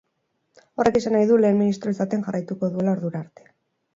Horrek esan nahi du lehen ministro izaten jarraituko duela ordura arte.